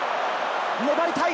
粘りたい。